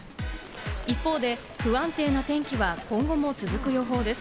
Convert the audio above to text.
一方で不安定な天気は今後も続く予報です。